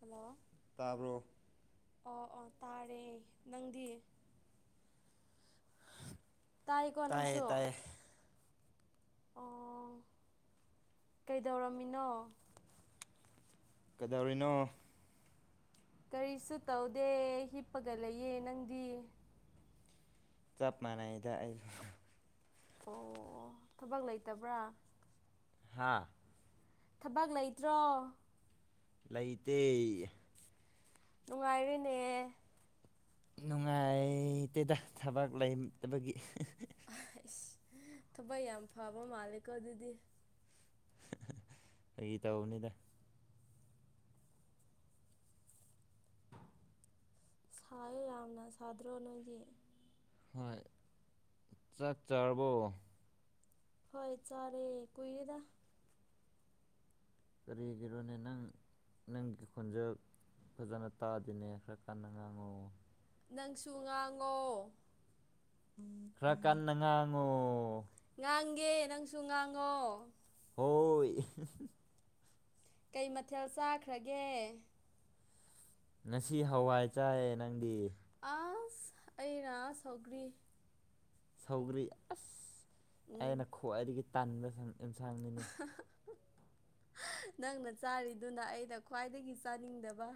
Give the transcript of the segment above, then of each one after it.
Hello ꯇꯥꯕ꯭ꯔꯣ ꯑꯣ-ꯑꯣ ꯇꯥꯔꯦ ꯅꯪꯗꯤ ꯇꯥꯏꯀꯣ ꯇꯥꯏꯌꯦ ꯅꯪꯁꯨ ꯇꯥꯏꯌꯦ ꯑꯣ ꯀꯩꯗꯧꯔꯝꯃꯤꯅꯣ ꯀꯧꯗꯧꯔꯤꯅꯣ ꯀꯔꯤꯁꯨ ꯇꯧꯗꯦ ꯍꯤꯞꯄꯒ ꯂꯩꯌꯦ ꯅꯪꯗꯤ ꯆꯞ ꯃꯥꯟꯅꯩꯗ ꯑꯩꯁꯨ ꯑꯣ ꯊꯕꯛ ꯂꯩꯇꯕ꯭ꯔꯥ ꯍꯥꯥ ꯊꯕꯛ ꯂꯩꯇ꯭ꯔꯣ ꯂꯩꯇꯦ ꯅꯨꯡꯉꯥꯏꯔꯦꯅꯦ ꯅꯨꯡꯉꯥꯏꯇꯦꯗ ꯊꯥꯕꯛ ꯂꯩꯇꯕꯒꯤ ꯊꯕꯛ ꯌꯥꯝ ꯐꯕ ꯃꯥꯜꯂꯦꯀꯣ ꯑꯗꯨꯗꯤ ꯑꯩ ꯐꯒꯦ ꯇꯧꯕꯅꯤꯗ [inaudible] ꯁꯥꯌꯣ ꯌꯥꯝꯅ ꯁꯥꯗ꯭ꯔꯣ ꯅꯣꯏꯗꯤ ꯍꯣꯏ ꯆꯥꯛ ꯆꯔꯕꯣ ꯍꯣꯏ ꯆꯥꯔꯦ ꯀꯏꯔꯦꯗ ꯀꯔꯤꯒꯦꯔꯣꯅꯦ ꯅꯪ-ꯅꯪ ꯈꯣꯟꯖꯜ ꯐꯖꯅ ꯇꯥꯗꯦꯅꯦ ꯈꯔ ꯀꯟꯅ ꯉꯥꯡꯉꯨ ꯅꯪꯁꯨ ꯉꯥꯡꯉꯣ ꯅꯪ ꯉꯥꯡꯉꯨ ꯉꯥꯡꯒꯦ ꯅꯪꯁꯨ ꯉꯥꯡꯉꯣ ꯍꯣꯏ ꯀꯩ ꯃꯊꯦꯜ ꯆꯥꯈ꯭ꯔꯒꯦ ꯉꯁꯤ ꯍꯋꯥꯏ ꯆꯥꯏ ꯅꯪꯗꯤ ꯑꯁ ꯑꯩꯅ ꯁꯧꯒ꯭ꯔꯤ ꯁꯧꯒ꯭ꯔꯤ ꯑꯁ ꯎꯝ ꯑꯩꯅ ꯈ꯭ꯋꯥꯏꯗꯒꯤ ꯇꯥꯟꯕ ꯑꯦꯟꯁꯥꯡꯅꯤꯅꯦ ꯅꯪꯅ ꯆꯥꯔꯤꯗꯨꯅ ꯑꯩꯅ ꯈ꯭ꯋꯥꯏꯗꯒꯤ ꯆꯥꯅꯤꯡꯗꯕ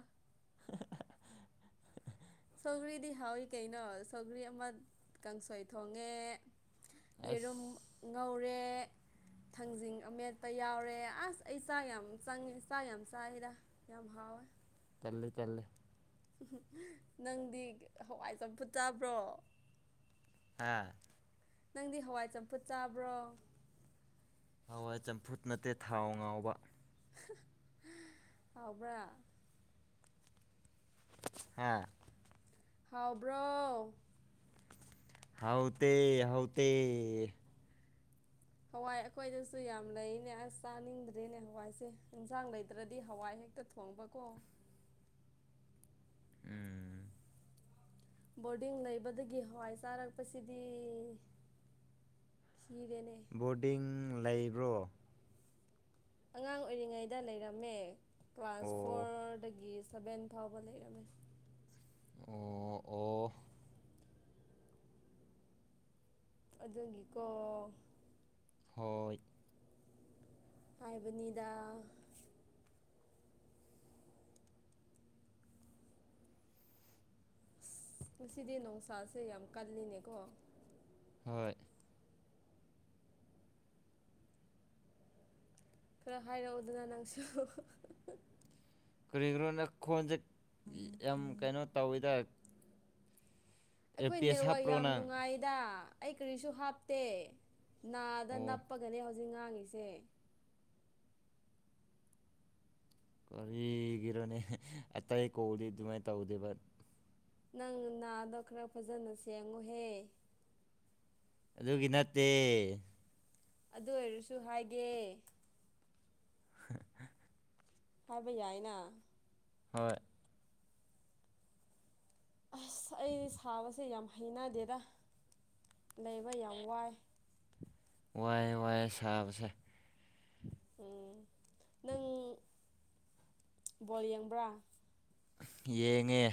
ꯁꯧꯒ꯭ꯔꯤꯗꯤ ꯍꯥꯎꯏꯤ ꯀꯩꯅꯣ ꯁꯧꯒ꯭ꯔꯤ ꯑꯃ ꯀꯥꯡꯁꯣꯏ ꯊꯣꯡꯉꯦ ꯑꯁ ꯌꯦꯔꯨꯝ ꯉꯧꯔꯦ ꯊꯥꯡꯖꯤꯡ ꯑꯃꯦꯠꯇꯄ ꯌꯥꯎꯔꯦ ꯑꯁ ꯑꯩ ꯆꯥꯛ ꯌꯥꯝ ꯆꯪꯉꯤ ꯆꯥꯛ ꯌꯥꯝ ꯆꯥꯏꯔꯤꯗ ꯌꯥꯝ ꯍꯥꯎꯌꯦ ꯇꯥꯜꯂꯦ- ꯇꯥꯜꯂꯦ ꯅꯪꯗꯤ ꯍꯋꯥꯏ ꯆꯝꯐꯨꯠ ꯇꯥꯕ꯭ꯔꯣ ꯍꯥ ꯅꯪꯗꯤ ꯍꯋꯥꯏ ꯆꯝꯐꯨꯠ ꯆꯥꯕ꯭ꯔꯣ ꯍꯋꯥꯏ ꯆꯝꯐꯨꯠ ꯅꯠꯇꯦ ꯊꯥꯎ ꯉꯧꯕ ꯍꯥꯎꯕ꯭ꯔꯥ ꯍꯥꯝ ꯈꯥꯎꯕ꯭ꯔꯣ ꯍꯥꯎ ꯇ ꯍꯥꯎ ꯇ ꯍꯋꯥꯏ ꯑꯩꯈꯣꯏꯗꯁꯨ ꯌꯥꯝ ꯂꯩꯅꯦ ꯑꯁ ꯆꯥꯅꯤꯡꯗ꯭ꯔꯦꯅꯦ ꯍꯋꯥꯏꯁꯦ ꯏꯟꯁꯥꯡ ꯂꯩꯇ꯭ꯔꯗꯤ ꯍꯋꯥꯏ ꯍꯦꯛꯇ ꯐꯣꯡꯕ ꯀꯣ ꯎꯝ ꯕꯣꯔꯗꯤꯡ ꯂꯩꯕꯗꯒꯤ ꯍꯋꯥꯏ ꯆꯥꯔꯛꯄꯁꯤꯗꯤ ꯊꯤꯔꯦꯅꯦ ꯕꯣꯔꯗꯤꯡ ꯂꯩꯕ꯭ꯔꯣ꯫ ꯑꯉꯥꯡ ꯑꯣꯏꯔꯤꯉꯩꯗ ꯂꯩꯔꯝꯃꯦ ꯀ꯭ꯂꯥꯁ ꯑꯣ ꯐꯣꯔꯗꯒꯤ ꯁꯚꯦꯟ ꯐꯥꯎꯕ ꯂꯩꯔꯝꯃꯦ꯫ ꯑꯣ ꯑꯣ ꯑꯗꯨꯒꯤꯀꯣ꯫ ꯍꯣꯏ꯫ ꯍꯥꯏꯕꯅꯤꯗ꯫ ꯉꯁꯤꯗꯤ ꯅꯨꯡꯁꯥꯁꯦ ꯌꯥꯝ ꯀꯜꯂꯤꯅꯦꯀꯣ꯫ ꯍꯣꯏ꯫ ꯈꯔ ꯍꯥꯏꯔꯛꯎꯗꯨꯅ ꯅꯪꯁꯨ꯫ ꯀꯔꯤꯒꯤꯅꯣꯅ ꯈꯣꯟꯁꯦ ꯌꯥꯝ ꯀꯩꯅꯣ ꯇꯧꯋꯤꯗ꯫ ꯑꯩꯈꯣꯏ ꯑꯦꯔꯄꯤꯁ ꯅꯦꯔꯋꯥꯥꯛ ꯍꯥꯞꯄ꯭ꯔꯣ ꯌꯥꯝ ꯅꯪ ꯅꯨꯡꯉꯥꯏꯗ ꯑꯩ ꯀꯔꯤꯁꯨ ꯍꯥꯞꯇꯦ ꯅꯥꯗ ꯑꯣ ꯅꯄ ꯉꯥꯡꯒꯅꯦ ꯍꯧꯖꯤꯛ ꯉꯥꯡꯉꯤꯁꯦ ꯀꯔꯤꯒꯤꯔꯣꯅꯦ ꯑꯇꯩ ꯑꯩ ꯀꯧꯗꯤ ꯑꯗꯨꯃꯥꯏꯅ ꯇꯧꯗꯦꯕ ꯅꯪ ꯅꯥꯗꯣ ꯈꯔ ꯐꯖꯅ ꯁꯦꯡꯉꯨꯍꯦ꯫ ꯑꯗꯨꯒꯤ ꯅꯠꯇꯦ꯫ ꯑꯗꯨ ꯑꯣꯏꯔꯁꯨ ꯍꯥꯏꯒꯦ꯫ ꯍꯥꯏꯕ ꯌꯥꯏꯅ꯫ ꯍꯣꯏ꯫ ꯑꯁ ꯑꯩ ꯁꯥꯕꯁꯦ ꯌꯥꯝ ꯍꯩꯅꯗꯦꯗ ꯂꯩꯕ ꯌꯥꯝ ꯋꯥꯏ꯫ ꯋꯥꯏꯦ ꯋꯥꯏꯦ ꯁꯥꯕꯁꯦ꯫ ꯎꯝ ꯅꯪ ꯕꯣꯜ ꯌꯦꯡꯕ꯭ꯔꯥ꯫ ꯌꯦꯡꯉꯦ꯫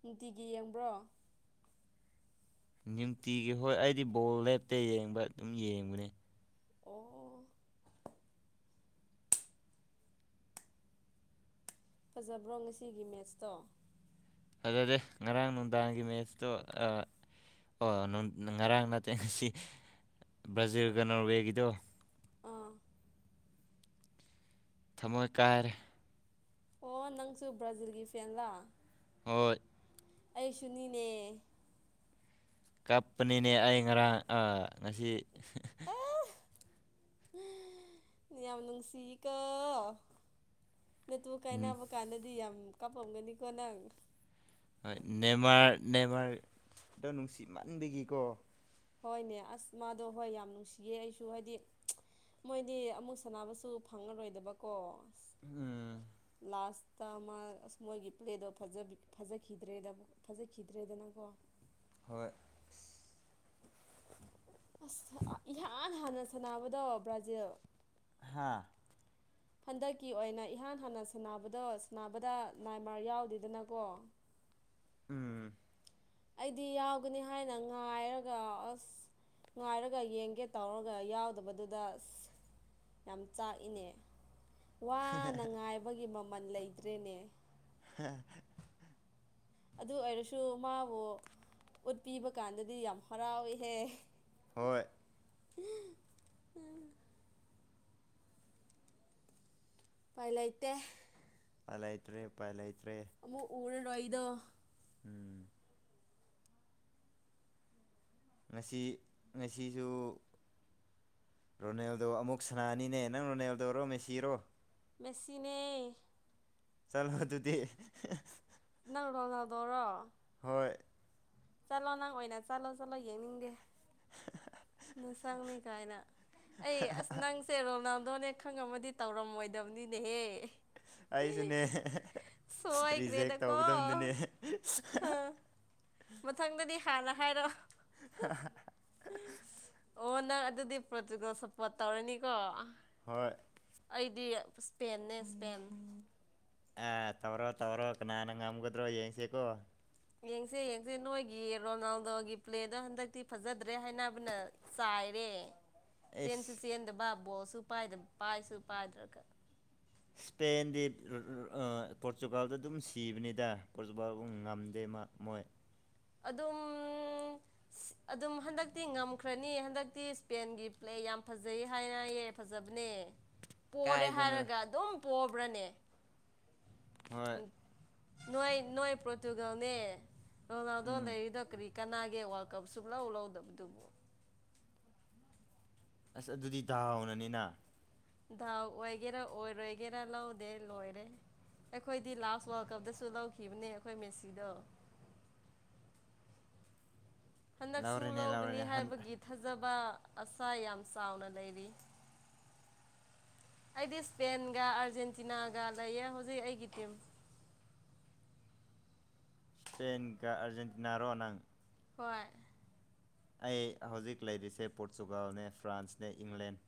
ꯅꯨꯡꯇꯤꯒꯤ ꯌꯦꯡꯕ꯭ꯔꯣ꯫ ꯅꯨꯡꯇꯤꯒꯤ ꯍꯣꯏ ꯑꯩꯗꯤ ꯕꯣꯜ ꯂꯦꯞꯇ ꯌꯦꯡꯕ ꯑꯗꯨꯝ ꯌꯦꯡꯕꯅꯦ꯫ ꯑꯣ꯫ ꯐꯖꯕ꯭ꯔꯣ ꯉꯁꯤꯒꯤ ꯃꯦꯠꯁꯇꯣ꯫ ꯐꯖꯗꯦ ꯉꯔꯥꯡ ꯅꯨꯡꯗꯥꯡꯒꯤ ꯃꯦꯠꯁꯇꯣ ꯑ ꯑꯣ ꯉꯔꯥꯡ ꯅꯠꯇꯦ ꯉꯁꯤ ꯕ꯭ꯔꯥꯖꯤꯜꯒ ꯅꯣꯔꯋꯦꯒꯤꯗꯣ꯫ ꯑꯥ ꯊꯃꯣꯏ ꯀꯥꯏꯔꯦ꯫ ꯑꯣ ꯅꯪꯁꯨ ꯕ꯭ꯔꯥꯖꯤꯜꯒꯤ ꯐꯦꯟꯂꯥ꯫ ꯍꯣꯏ꯫ ꯑꯩꯁꯨꯅꯤꯅꯦ꯫ ꯀꯞꯄꯅꯤꯅꯦ ꯑꯩ ꯉꯔꯥꯡ ꯉꯁꯤ꯫ ꯍꯝ ꯌꯥꯝ ꯅꯨꯡꯁꯤꯀꯣ꯫ ꯅꯠꯇꯨ ꯀꯥꯏꯅꯕ ꯀꯥꯟꯗꯗꯤ ꯌꯥꯝ ꯀꯥꯞꯄꯒꯅꯤꯀꯣ ꯅꯪ꯫ ꯍꯣꯏ ꯅꯦꯃꯔ ꯅꯦꯃꯥꯔꯗꯣ ꯅꯨꯡꯁꯤꯠ ꯃꯟꯒꯤꯀꯣ꯫ ꯍꯣꯏꯅꯦ ꯑꯁ ꯃꯥꯗꯣ ꯍꯣꯏ ꯌꯥꯝ ꯅꯨꯡꯁꯤꯌꯦ ꯑꯩꯁꯨ ꯍꯥꯏꯗꯤ꯫ ꯃꯣꯏꯗꯤ ꯑꯃꯨꯛ ꯁꯅꯕꯁꯨ ꯐꯪꯉꯔꯣꯏꯗꯕꯀꯣ꯫ ꯎꯝ꯫ ꯂꯁꯇ ꯑꯃ ꯑꯁ ꯃꯣꯏꯒꯤ ꯄ꯭ꯂꯦꯗꯣ ꯐꯖꯈꯤꯗ꯭ꯔꯦꯗ ꯐꯖꯈꯤꯗ꯭ꯔꯦꯗꯅꯀꯣ ꯍꯣꯏ꯫ ꯑꯁ ꯏꯍꯥꯟ ꯍꯥꯟꯅ ꯁꯥꯟꯅꯕꯗꯣ ꯕ꯭ꯔꯥꯖꯤꯜ꯫ ꯍꯥꯥ꯫ [inaudible] ꯍꯟꯗꯛꯀꯤ ꯑꯣꯏꯅ ꯏꯍꯥꯟ ꯍꯥꯟꯅ ꯁꯥꯟꯅꯕꯗꯣ ꯁꯥꯟꯅꯕꯗ ꯅꯥꯏꯃꯥꯔ ꯌꯥꯎꯗꯦꯗꯅꯀꯣ ꯎꯝ꯫ ꯑꯩꯗꯤ ꯌꯥꯎꯒꯅꯤ ꯍꯥꯏꯅ ꯉꯥꯏꯔꯒ ꯑꯁ꯫ ꯉꯥꯏꯔꯒ ꯌꯦꯡꯒꯦ ꯇꯧꯔꯒ ꯌꯥꯎꯗꯕꯗꯨꯗ ꯑꯁ꯫ ꯌꯥꯝ ꯆꯥꯛꯏꯅꯦ ꯋꯥꯅ ꯉꯥꯏꯕꯒꯤ ꯃꯃꯜ ꯂꯩꯇ꯭ꯔꯦꯅꯦ꯫ ꯍꯥ [unintelligible] ꯑꯗꯨ ꯑꯣꯏꯔꯁꯨ ꯃꯥꯕꯨ ꯎꯠꯄꯤꯕ ꯀꯥꯟꯗꯗꯤ ꯌꯥꯝ ꯍꯔꯥꯎꯏꯍꯦ꯫ ꯍꯣꯏ [unintelligible] ꯎꯄꯥꯏ ꯂꯩꯇꯦ ꯄꯥꯏ ꯂꯩꯇ꯭ꯔꯦ ꯎꯄꯥꯏ ꯂꯩꯇ꯭ꯔꯦ ꯑꯃꯨꯛ ꯎꯔꯔꯣꯏꯗꯣ ꯎꯝ ꯉꯁꯤ ꯉꯁꯤꯁꯨ ꯔꯣꯅꯦꯜꯗꯣ ꯑꯃꯨꯛ ꯁꯅꯥꯅꯤꯅꯦ ꯅꯪ ꯔꯣꯅꯦꯜꯗꯔꯣ ꯃꯦꯁꯤꯔꯣ ꯃꯦꯁꯤꯅꯦ ꯆꯠꯂꯣ ꯗꯨꯗꯤ ꯅꯪ ꯔꯣꯅꯥꯜꯗꯣꯔꯣ ꯍꯣꯏ ꯆꯠꯂꯣ ꯅꯪ ꯑꯣꯏꯅ ꯆꯠꯂꯣ ꯆꯠꯂꯣ ꯌꯦꯡꯅꯤꯡꯗꯦ ꯅꯨꯡꯆꯪꯅꯤ ꯀꯥꯏꯅ ꯑꯩ ꯑꯁ ꯅꯪ ꯁꯦ ꯔꯣꯅꯥꯜꯗꯣꯅꯦ ꯈꯪꯝꯃꯗꯤ ꯇꯧꯔꯝꯃꯣꯏꯗꯕꯅꯤꯅꯦꯍꯦ ꯑꯩꯁꯨꯅꯦ ꯔꯤꯖꯦꯛ ꯁꯣꯏꯈ꯭ꯔꯦꯗꯀꯣ ꯇꯧꯒꯗꯕꯗꯨꯅꯦ ꯍꯥ ꯃꯊꯪꯗꯗꯤ ꯍꯥꯟꯅ ꯍꯥꯏꯔꯛꯑꯣ ꯍ ꯍ ꯑꯣ ꯅꯪ ꯑꯗꯨꯗꯤ ꯄ꯭ꯔꯣꯇꯨꯒꯜ ꯁꯞꯄꯣꯔꯠ ꯇꯧꯔꯅꯤꯀꯣ ꯍꯣꯏ ꯑꯩꯗꯤ ꯏꯁꯄꯦꯟꯅꯦ ꯏꯁꯄꯦꯟ ꯑ ꯇꯧꯔꯣ ꯇꯧꯔꯣ ꯀꯅꯥꯅꯥ ꯉꯝꯒꯗ꯭ꯔꯣ ꯌꯦꯡꯁꯦꯀꯣ ꯌꯦꯡꯁꯦ ꯌꯦꯡꯁꯦ ꯅꯣꯏꯒꯤ ꯔꯣꯅꯥꯜꯗꯣꯒꯤ ꯄ꯭ꯂꯦꯗꯣ ꯍꯟꯗꯛꯇꯤ ꯐꯖꯗ꯭ꯔꯦ ꯍꯥꯏꯅꯕꯅ ꯆꯥꯏꯔꯦ ꯆꯦꯟꯁꯨ ꯑꯦꯁ ꯆꯦꯗꯕ ꯕꯣꯜꯁꯨꯨ ꯄꯥꯏꯗꯕ ꯄꯥꯏꯁꯨ ꯄꯥꯏꯗ꯭ꯔꯒ ꯏꯁꯄꯦꯟꯗꯤ ꯄꯣꯔꯇꯨꯒꯥꯜꯗ ꯑꯗꯨꯝ ꯁꯤꯕꯅꯤꯗ ꯄꯣꯔꯇꯨꯒꯥꯜꯒ ꯉꯝꯗꯦ ꯃꯥ ꯃꯣꯏ ꯑꯗꯨꯝ ꯑꯗꯨꯝ ꯍꯟꯗꯛꯇꯤ ꯉꯝꯈ꯭ꯔꯅꯤ ꯍꯟꯗꯛꯇꯤ ꯏꯁꯄꯦꯟꯒꯤ ꯄ꯭ꯂꯦ ꯌꯥꯝ ꯐꯖꯩ ꯍꯥꯏꯅꯥꯏꯌꯦ ꯐꯖꯕꯅꯦ ꯄꯣꯔꯦ ꯀꯥꯏꯗꯅꯣꯗ ꯍꯥꯏꯔꯒ ꯑꯗꯨꯝ ꯄꯣꯕ꯭ꯔꯅꯦ ꯍꯣꯏ ꯎꯝ ꯅꯣꯏ ꯅꯣꯏ ꯄꯣꯔꯇꯨꯒꯜꯅꯦ ꯔꯣꯅꯥꯜ ꯗꯣ ꯎꯝ ꯂꯩꯔꯤꯗꯣ ꯀꯔꯤ ꯀꯅꯥꯒꯤ ꯋꯥꯔꯜꯀꯞ ꯁꯨꯛꯂꯧ ꯂꯧꯗꯕꯗꯨꯕꯨ ꯑꯁ ꯑꯗꯨꯗꯤ ꯗꯥꯎꯅꯅꯤꯅ ꯗꯥꯎ ꯑꯣꯏꯒꯦꯔꯥ ꯑꯣꯏꯔꯣꯏꯒꯦꯔꯥ ꯂꯧꯗꯦ ꯂꯣꯏꯔꯦ ꯑꯩꯈꯣꯏꯗꯤ ꯂꯥꯁ ꯋꯥꯔꯜ ꯀꯞꯇꯁꯨ ꯂꯧꯈꯤꯕꯅꯦ ꯑꯩꯈꯣꯏ ꯃꯦꯁꯤꯗꯣ ꯍꯟꯗꯛꯁꯨ ꯂꯧꯔꯦꯅꯦ ꯂꯧꯒꯅꯤ ꯂꯧꯔꯦꯅꯦ ꯍꯟ ꯍꯥꯏꯕꯒꯤ ꯊꯥꯖꯕ ꯑꯁꯥ ꯌꯥꯝ ꯆꯥꯎꯅ ꯂꯩꯔꯤ ꯑꯩꯗꯤ ꯏꯁꯄꯦꯟꯒ ꯑꯥꯔꯖꯦꯟꯇꯤꯅꯥꯒ ꯂꯩꯌꯦ ꯍꯧꯖꯤꯛ ꯑꯩꯒꯤ ꯇꯤꯝ ꯁ꯭ꯄꯦꯟꯒ ꯑꯔꯖꯦꯟꯇꯤꯅꯥꯔꯣ ꯅꯪ ꯍꯣꯏ ꯑꯩ ꯍꯧꯖꯤꯛ ꯂꯩꯔꯤꯁꯦ ꯄꯣꯔꯇꯨꯒꯜꯅꯦ ꯐ꯭ꯔꯥꯟꯁꯅꯦ ꯏꯪꯂꯦꯟ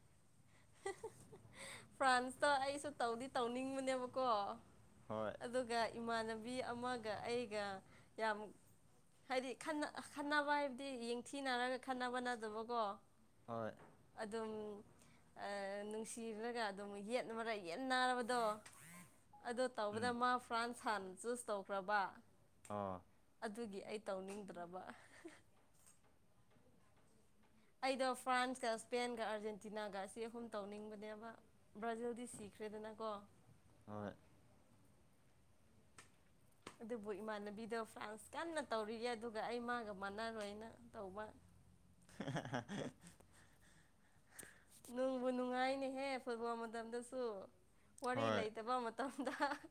ꯐ꯭ꯔꯥꯟꯁꯇꯣ ꯑꯩꯁꯨ ꯇꯧꯗꯤ ꯇꯧꯅꯤꯡꯕꯅꯦꯕꯀꯣ ꯍꯣꯏ ꯑꯗꯨꯒ ꯏꯃꯥꯟꯅꯕꯤ ꯑꯃꯒ ꯑꯩꯒ ꯌꯥꯝ ꯍꯥꯏꯗꯤ ꯈꯠꯕ ꯍꯥꯏꯕꯗꯤ ꯌꯦꯡꯊꯤꯅꯔꯒ ꯈꯠꯕ ꯅꯠꯇꯕꯀꯣ ꯍꯣꯏ ꯑꯗꯨꯝ ꯅꯨꯡꯁꯤꯔꯒ ꯑꯗꯨꯝ ꯌꯦꯠ ꯃꯔ ꯌꯦꯠꯅꯔꯕꯗꯣ ꯑ ꯇꯧꯕꯗ ꯎꯝ ꯃꯥ ꯐ꯭ꯔꯥꯟ ꯍꯥꯟꯅ ꯆꯨꯁ ꯇꯧꯈ꯭ꯔꯕ ꯑꯣ ꯑꯗꯨꯒꯤ ꯑꯩ ꯇꯧꯅꯤꯡꯗ꯭ꯔꯕ ꯑꯩꯗꯣ ꯐ꯭ꯔꯥꯟꯁꯀ ꯏꯁꯄꯦꯟꯒ ꯑꯥꯔꯖꯦꯟꯇꯤꯅꯥꯒ ꯑꯁꯤ ꯑꯍꯨꯝ ꯇꯧꯅꯤꯡꯕꯅꯦꯕ ꯕ꯭ꯔꯥꯖꯤꯜꯗꯤ ꯁꯤꯈ꯭ꯔꯦꯗꯅ ꯀꯣ ꯍꯣꯏ ꯑꯗꯨꯕꯨ ꯏꯃꯥꯟꯅꯕꯤꯗ‌ꯣ ꯐ꯭ꯔꯥꯟꯁ ꯀꯟꯅ ꯇꯧꯔꯤꯌꯦ ꯑꯗꯨꯒ ꯑꯩ ꯃꯥꯒ ꯃꯥꯟꯅꯔꯣꯏꯅ ꯇꯧꯕ [unintelligible] ꯅꯨꯡꯕꯨ ꯅꯨꯡꯉꯥꯏꯅꯦꯍꯦ ꯐꯨꯠꯕꯣꯜ ꯃꯇꯝꯗꯁꯨ ꯋꯥꯔꯤ ꯍꯣꯏ ꯂꯩꯇꯕ ꯃ [unintelligible]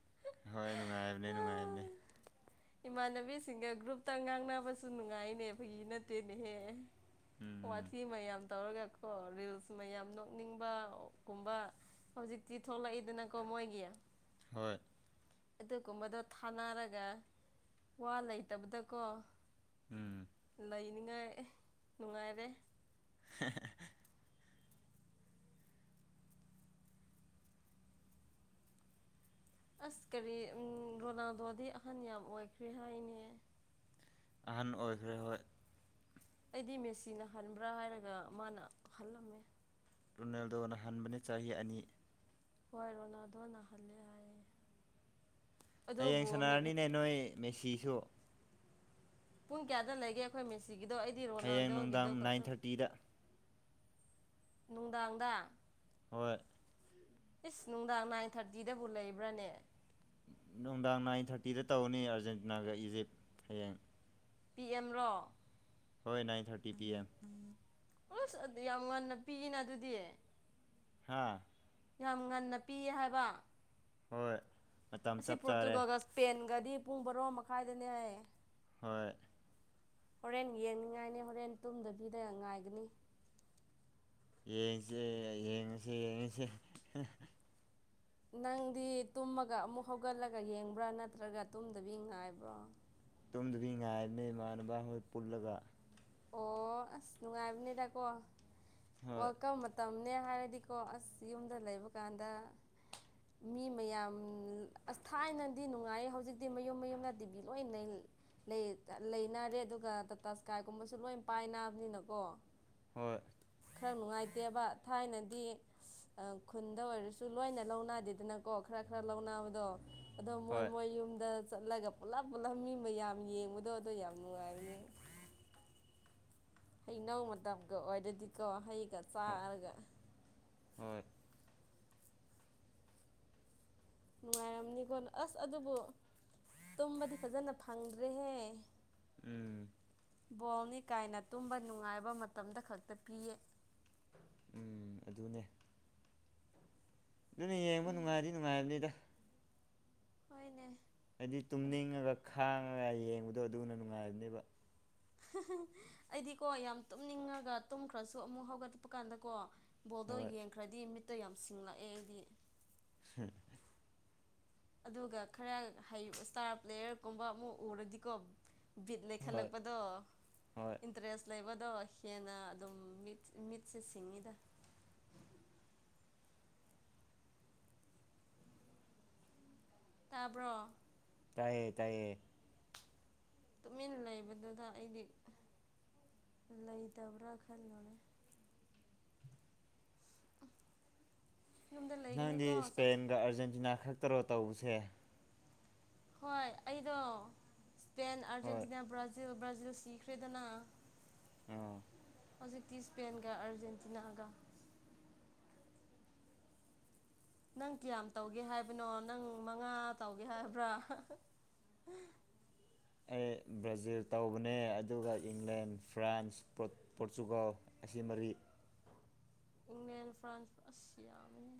ꯍꯣꯏ ꯅꯨꯡꯉꯥꯏꯕꯅꯦ ꯅꯨꯡꯉꯥꯏꯕꯅꯦ [inaudible] ꯏꯃꯥꯟꯅꯕꯤꯁꯤꯡꯒ ꯒ꯭ꯔꯨꯞꯇ ꯉꯥꯡꯅꯕꯁꯨ ꯅꯨꯡꯉꯥꯏꯅꯦ ꯐꯒꯤ ꯅꯠꯇꯦꯅꯦꯍꯦ ꯎꯝ ꯋꯥꯊꯤ ꯃ ꯌꯥꯝ ꯇꯧꯔꯒꯀꯣ ꯔꯤꯜꯁ ꯃꯌꯥꯝ ꯅꯣꯛꯅꯤꯡꯕꯒꯨꯝꯕ ꯍꯧꯖꯤꯛꯇꯤ ꯊꯣꯛꯂꯛꯏꯗꯅꯀꯣ ꯃꯣꯏꯒꯤ ꯍꯣꯏ ꯑꯗꯨꯒꯨꯝꯕꯗꯣ ꯊꯥꯅꯔꯒ ꯋꯥ ꯂꯩꯇꯕꯗꯀꯣ ꯎꯝ ꯂꯩꯅꯤꯉꯥꯏ ꯅꯨꯡꯉꯥꯏꯔꯦ ꯍꯦꯍꯦ ꯑꯁ ꯀꯔꯤ ꯔꯣꯅꯥꯜꯗꯣꯗꯤ ꯑꯍꯟ ꯌꯥꯝ ꯑꯣꯏꯈ꯭ꯔꯦ ꯍꯥꯏꯅꯦ ꯑꯍꯟ ꯑꯣꯏꯈ꯭ꯔꯦ ꯍꯣꯏ ꯑꯩꯗꯤ ꯃꯦꯁꯤꯅ ꯍꯟꯕ꯭ꯔꯥ ꯍꯥꯏꯔꯒ ꯃꯥꯅ ꯍꯜꯂꯝꯃꯦ ꯔꯨꯅꯥꯜꯗ‌ꯣꯅ ꯍꯟꯕꯅꯤ ꯆꯍꯤ ꯑꯅꯤ ꯍꯣꯏ ꯔꯣꯅꯥꯜꯗꯣꯅ ꯍꯜꯂꯦ ꯍꯥꯏꯌꯦ ꯍꯌꯦꯡ ꯑꯗꯨꯕꯨ ꯁꯥꯟꯅꯔꯅꯤꯅꯦ ꯅꯣꯏ ꯃꯦꯁꯤꯁꯨ ꯄꯨꯡ ꯀꯌꯥꯗ ꯂꯩꯒꯦ ꯑꯩꯈꯣꯏ ꯃꯤꯁꯤꯒꯤꯗꯣ ꯑꯩꯗꯤ ꯍꯌꯦꯡ ꯔꯣꯅꯥꯜꯗꯣꯒꯤꯗꯣ ꯅꯨꯡꯗꯥꯡ ꯅꯥꯏꯟ ꯈꯛꯇ ꯊꯥꯔꯇꯤꯗ ꯅꯨꯡꯗꯥꯡꯗ ꯍꯣꯏ ꯏꯁ ꯅꯨꯡꯗꯥꯡ ꯅꯥꯏꯟ ꯊꯥꯔꯇꯤꯗꯕꯨ ꯂꯩꯕ꯭ꯔꯅꯦ ꯅꯨꯡꯗꯥꯡ ꯅꯥꯏꯟ ꯊꯥꯔꯇꯤꯗ ꯇꯧꯅꯤ ꯑꯥꯔꯖꯦꯟꯇꯤꯅꯥꯒ ꯏꯖꯤꯞ ꯍꯌꯦꯡ ꯄꯤ ꯑꯦꯝꯔꯣ ꯍꯣꯏ ꯅꯥꯏꯟ ꯊꯥꯔꯇꯤ ꯄꯤ ꯑꯦꯝ ꯎꯁ ꯌꯥꯝ ꯉꯟꯅ ꯄꯤꯌꯦꯅ ꯑꯗꯨꯗꯤ ꯍꯥꯥ ꯌꯥꯝ ꯉꯟꯅ ꯄꯤꯌꯦ ꯍꯥꯏꯕ ꯍꯣꯏ ꯃꯇꯝ ꯑꯁꯤ ꯆꯞ ꯆꯥꯔꯦ ꯄꯣꯔꯇꯨꯒꯜꯒ ꯄꯦꯟꯒꯗꯤ ꯄꯨꯡ ꯕꯔꯣ ꯃꯈꯥꯏꯗꯅꯦ ꯍꯥꯏꯌ‌ꯦ ꯍꯣꯏ ꯍꯣꯔꯦꯟ ꯌꯦꯡꯅꯤꯡꯉꯥꯏꯅꯤ ꯍꯣꯔꯦꯟ ꯇꯨꯝꯗꯕꯤꯗ ꯉꯥꯏꯒꯅꯤ ꯌꯦꯡꯁꯦ ꯌꯦꯡꯉꯁꯦ ꯌꯦꯡꯉꯁꯦ ꯅꯪꯗꯤ ꯇꯨꯝꯃꯒ ꯑꯃꯨꯛ ꯍꯧꯒꯠꯂꯒ ꯌꯦꯡꯕ꯭ꯔꯥ ꯅꯠꯇ꯭ꯔꯒ ꯇꯨꯝꯗꯕꯤ ꯉꯥꯏꯕ꯭ꯔꯣ ꯇꯨꯝꯗꯕꯤ ꯉꯥꯏꯕꯅꯦ ꯏꯃꯥꯟꯅꯕ ꯍꯣꯏ ꯄꯨꯜꯂꯒ ꯑꯣ ꯑꯁ ꯅꯨꯡꯉꯥꯏꯕꯅꯦꯗꯀꯣ ꯍꯣꯏ ꯋꯥꯜ ꯀꯞ ꯃ ꯇꯝꯅꯦ ꯍꯥꯏꯔꯗꯤꯀꯣ ꯑꯁ ꯌꯨꯝꯗ ꯂꯩꯕ ꯀꯥꯟꯗ ꯃꯤ ꯃꯌꯥꯝ ꯑꯁ ꯊꯥꯏꯅꯗꯤ ꯅꯨꯡꯉꯥꯏ ꯍꯧꯖꯤꯛꯇꯤ ꯃꯌꯨꯝ ꯃꯌꯨꯝꯗ ꯇꯤꯕꯤ ꯂꯣꯏꯅ ꯂꯩꯅꯔꯦ ꯑꯗꯨꯒ ꯇꯥꯇꯥ ꯏꯁꯀꯥꯏꯒꯨꯝꯕꯁꯨ ꯂꯣꯏ ꯄꯥꯏꯅꯕꯅꯤꯅꯀꯣ ꯍꯣꯏ ꯈꯔ ꯅꯨꯡꯉꯥꯏꯇꯦꯕ ꯊꯥꯏꯅꯗꯤ ꯑ ꯈꯨꯟꯗ ꯑꯣꯏꯔꯁꯨ ꯂꯣꯏꯅ ꯂꯧꯅꯗꯦꯗꯅꯀꯣ ꯈꯔ ꯈꯔ ꯂꯧꯅꯕꯗꯣ ꯑꯗꯣ ꯃꯣꯏ ꯍꯣꯏ ꯃꯣꯏ ꯌꯨꯝꯗ ꯆꯠꯂꯒ ꯄꯨꯂꯞ ꯄꯨꯂꯞ ꯃꯤ ꯃꯌꯥꯝ ꯌꯦꯡꯕꯗꯣ ꯑꯗꯣ ꯌꯥꯝ ꯅꯨꯡꯉꯥꯏꯕꯅꯦ ꯍꯩꯅꯧ ꯃꯇꯝꯒ ꯑꯣꯏꯔꯗꯤꯀꯣ ꯍꯩꯒ ꯆꯥꯔꯒ ꯍꯣꯏ ꯅꯨꯡꯉꯥꯏꯔꯝꯅꯤꯀꯣ ꯑꯁ ꯑꯗꯨꯕꯨ ꯇꯨꯝꯕꯗꯤ ꯐꯖꯅ ꯐꯪꯗ꯭ꯔꯦꯍꯦ ꯎꯝ ꯕꯣꯜꯅꯤ ꯀꯥꯏꯅ ꯇꯨꯝꯕ ꯅꯨꯡꯉꯥꯏꯕ ꯃꯇꯝꯗ ꯈꯛꯇ ꯄꯤꯌꯦ ꯎꯝ ꯑꯗꯨꯅꯦ ꯑꯗꯨꯅꯦ ꯌꯦꯡꯕ ꯅꯨꯡꯉꯥꯏꯔꯗꯤ ꯅꯨꯡꯉꯥꯏꯕꯅꯤꯗ ꯍꯣꯏꯅꯦ ꯍꯥꯏꯗꯤ ꯑꯗꯨ ꯇꯨꯝꯅꯤꯡꯉꯒ ꯈꯥꯡꯉꯒ ꯌꯦꯡꯕꯗꯣ ꯑꯗꯨꯅ ꯅꯨꯡꯉꯥꯏꯕꯅꯦꯕ ꯑꯩꯗꯤꯀꯣ ꯌꯥꯝ ꯇꯨꯝꯅꯤꯡꯉꯒ ꯇꯨꯝꯈ꯭ꯔꯁꯨ ꯑꯃꯨꯛ ꯍꯧꯒꯠꯄ ꯀꯥꯟꯗ ꯀꯣ ꯕꯣꯜꯗꯣ ꯍꯣꯏ ꯌꯦꯡꯈ꯭ꯔꯗꯤ ꯃꯤꯠꯇꯣ ꯌꯥꯝ ꯁꯤꯡꯂꯛꯑꯦ ꯑꯩꯗꯤ ꯍ ꯑꯗꯨꯒ ꯈꯔ ꯍꯩ ꯏꯁꯇꯥꯔ ꯄ꯭ꯂꯦꯌꯔꯒꯨꯝꯕ ꯑꯃꯨꯛ ꯎꯔꯗꯤꯀꯣ ꯕꯤꯠ ꯍꯣꯏ ꯂꯩꯈꯠꯂꯛꯄꯗꯣ ꯍꯣꯏ ꯏꯟꯇꯔꯦꯁ ꯂꯩꯕꯗꯣ ꯍꯦꯟꯅ ꯑꯗꯨꯝ ꯃꯤꯠ ꯃꯤꯠꯁꯦ ꯁꯤꯡꯉꯤꯗ ꯇꯥꯕ꯭ꯔꯣ ꯇꯥꯏꯌꯦ ꯇꯥꯏꯌꯦ ꯇꯨꯃꯤꯟ ꯂꯩꯕꯗꯨꯗ ꯑꯩꯗꯤ ꯂꯩꯇꯕ꯭ꯔ ꯈꯜ [unintelligible] [unintelligible] ꯅꯪꯗꯤ ꯂꯩꯒꯅꯤꯀꯣ ꯆꯠ ꯏꯁꯄꯦꯟꯒ ꯑꯔꯖꯦꯟꯇꯤꯅꯥ ꯈꯛꯇꯔꯣ ꯇꯧꯕꯁꯦ ꯍꯣꯏ ꯑꯩꯗꯣ ꯏꯁꯄꯦꯟ ꯍꯣꯏ ꯑꯥꯔꯖꯦꯟꯇꯤꯅꯥ ꯕ꯭ꯔꯖꯤꯜ ꯕ꯭ꯔꯖꯤꯜ ꯁꯤꯈ꯭ꯔꯦꯗꯅ [unintelligible] ꯍꯧꯖꯤꯛꯇꯤ ꯏꯁꯄꯦꯟꯒ ꯑꯔꯖꯦꯟꯇꯤꯅꯥꯒ ꯅꯪ ꯀꯌꯥꯝ ꯇꯧꯒꯦ ꯍꯥꯏꯕꯅꯣ ꯅꯪ ꯃꯉꯥ ꯇꯧꯒꯦ ꯍꯥꯏꯕ꯭ꯔꯥ ꯑꯩ ꯕ꯭ꯔꯥꯖꯤꯜ ꯇꯧꯕꯅꯦ ꯑꯗꯨꯒ ꯏꯪꯂꯦꯟ ꯐ꯭ꯔꯥꯟꯁ ꯄꯣꯔꯇꯨ ꯄꯣꯔꯆꯨꯒꯜ ꯑꯁꯤ ꯃꯔꯤ ꯏꯪꯂꯦꯟ ꯐ꯭ꯔꯥꯟꯁ ꯑꯁ ꯌꯥꯝꯃꯦꯍꯦ